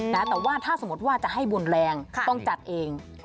แต่ว่าถ้าสมมติว่าจะให้บุญแรงต้องจัดเอง